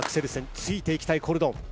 ついて行きたいコルドン。